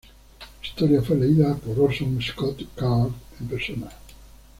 La historia fue leída por Orson Scott Card en persona.